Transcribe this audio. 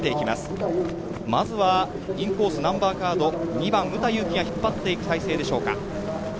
まずはインコース、ナンバー２番牟田祐樹が引っ張っていく態勢でしょうか。